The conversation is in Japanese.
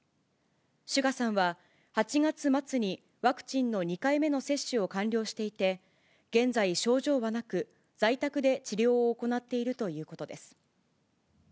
ＳＵＧＡさんは８月末にワクチンの２回目の接種を完了していて、現在、症状はなく、在宅で治療を行っているということです。